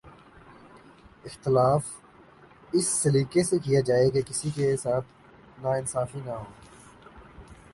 اختلاف اس سلیقے سے کیا جائے کہ کسی سے ناانصافی نہ ہو۔